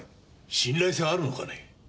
信頼性あるのかね？